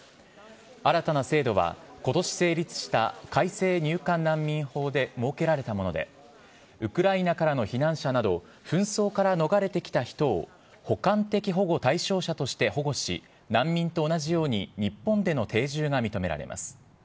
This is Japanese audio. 新たな制度は、ことし成立した改正入管難民法で設けられたもので、ウクライナからの避難者など、紛争から逃れてきた人を補完的保護対象者として保護し、難民と同じように日本での定住が認められます。